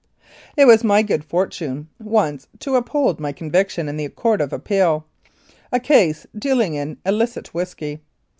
It w 7 as my good fortune once to uphold my own conviction in the Court of Appeal a case of dealing in illicit whisky.